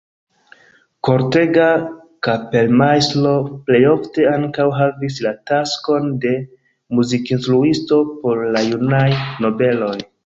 Kortega kapelmajstro plejofte ankaŭ havis la taskon de muzikinstruisto por la junaj nobeloj.